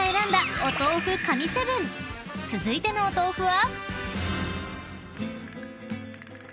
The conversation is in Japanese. ［続いてのお豆腐は？］